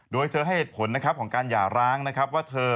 โดยเธอให้เหตุผลนะครับของการหย่าร้างนะครับว่าเธอ